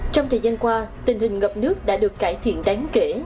trong thời gian qua tình hình ngập nước đã được cải thiện đáng kể